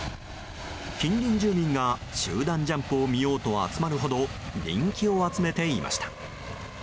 近隣住民が集団ジャンプを見ようと集まるほど人気を集めていました。